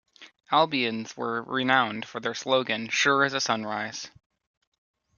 Albions were renowned for their slogan "Sure as the Sunrise".